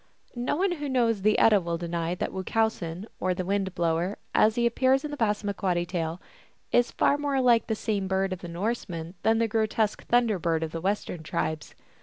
No one who knows the Edda will deny that Wu chowsen, or the Wind blower, as he appears in the Passamaquoddy tale, is far more like the same bird of the Norsemen than the grotesque Thunder Bird of the Western tribes.